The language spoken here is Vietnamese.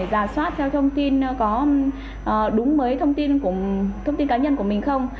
để giả soát theo thông tin có đúng với thông tin cá nhân của mình không